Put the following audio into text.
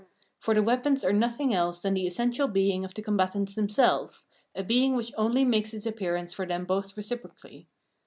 For the weapons are nothing else than the essential being of the combatants themselves, a being which only makes its appearance for them both reciprocally.